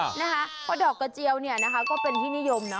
เพราะดอกกระเจียวเนี่ยนะคะก็เป็นที่นิยมนะ